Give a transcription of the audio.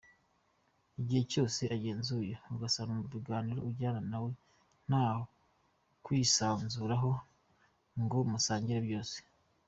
Igihe cyose ugenzuye ugasanga mu biganiro ugirana na we nta kukwisanzuraho ngo musangire byose.